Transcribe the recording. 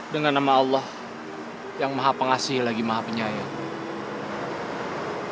dengan nama allah yang maha pengasih lagi maha penyayang